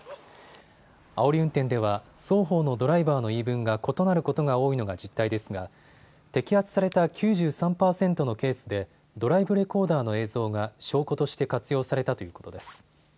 あおり運転では双方のドライバーの言い分が異なることが多いのが実態ですが摘発された９３％のケースでドライブレコーダーの映像が証拠として活用されたということです。